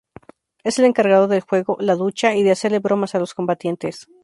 Es el encargado del juego "La Ducha" y de hacerle bromas a los combatientes.